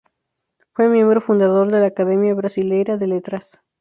Fue miembro fundador de la Academia Brasileira de Letras.